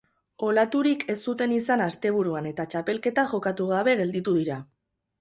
Olaturik ez zuten izan asteburuan eta txapelketa jokatu gabe gelditu dira.